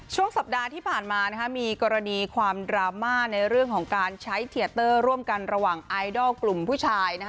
ช่วงสัปดาห์ที่ผ่านมามีกรณีความดราม่าในเรื่องของการใช้เทียเตอร์ร่วมกันระหว่างไอดอลกลุ่มผู้ชาย